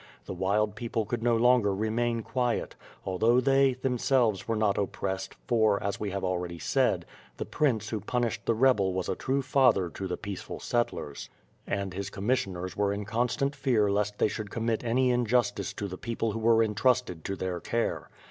The wild people could no longer remain quiet, although they, themselves, were not oppressed for, as we have already said, the prince who pun ished the rebel was a true father to the peaceful settlers; and his commissioners were in constant fear lest they should com mit any injustice to the people who were intrusted to their care.